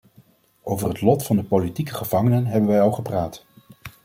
Over het lot van de politieke gevangenen hebben wij al gepraat.